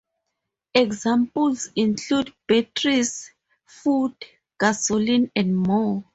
Examples include batteries, food, gasoline, and more.